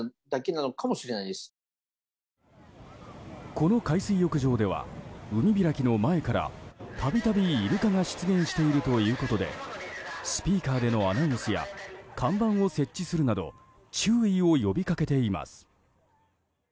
この海水浴場では海開きの前から度々、イルカが出現しているということでスピーカーでのアナウンスや看板を設置するなど注意を呼びかけています。